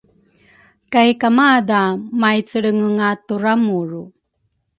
kay kamadha maicecelengenga turamuru.